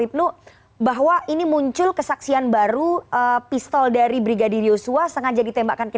ibnu bahwa ini muncul kesaksian baru pistol dari brigadir yosua sengaja ditembakkan ke